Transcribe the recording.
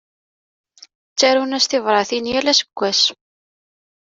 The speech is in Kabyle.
Ttarun-as tibratin yal aseggas.